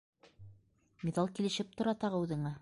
- Миҙал килешеп тора тағы үҙеңә.